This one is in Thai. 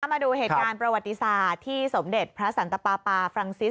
มาดูเหตุการณ์ประวัติศาสตร์ที่สมเด็จพระสันตปาปาฟรังซิส